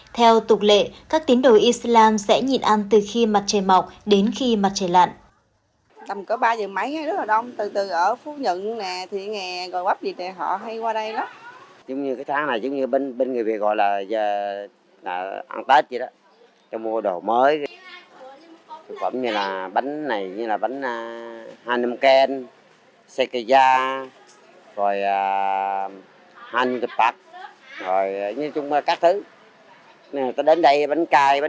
theo tục lệ các tín đồ islam sẽ nhịn ăn từ khi mặt trời mọc đến khi mặt trời lạn